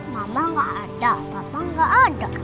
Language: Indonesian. mama gak ada papa gak ada